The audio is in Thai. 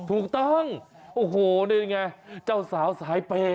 ถูกต้องโอ้โหนี่ไงเจ้าสาวสายเปย์